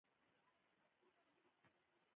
د څرخېدلو پر وخت له ورنیر کالیپر څخه کار مه اخلئ.